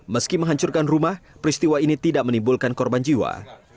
meski menghancurkan rumah peristiwa ini tidak menimbulkan korban jiwa